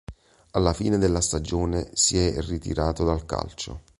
Alla fine della stagione si è ritirato dal calcio.